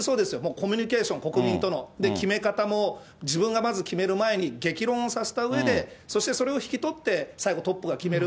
コミュニケーション、国民との、決め方も、自分がまず決める前に激論をさせたうえで、そしてそれを引き取って、最後、トップが決める。